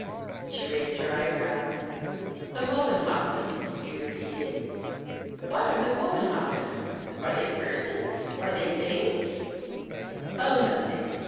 She raised her eyebrows. "The Wohenhoffens," he repeated. "What are the Wohenhoffens? Are they persons? Are they things?" "Oh, nothing.